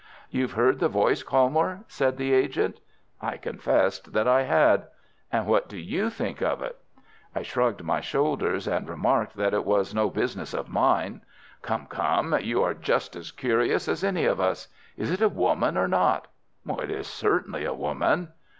"You've heard the voice, Colmore?" said the agent. I confessed that I had. "And what do you think of it?" I shrugged my shoulders, and remarked that it was no business of mine. "Come, come, you are just as curious as any of us. Is it a woman or not?" "It is certainly a woman."